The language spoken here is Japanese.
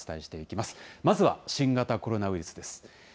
まずは新型コロナウイルスです。